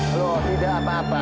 loh tidak apa apa